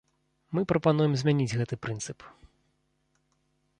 Мы прапануем змяніць гэты прынцып.